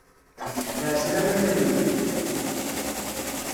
Lɛeslama-k a mmi.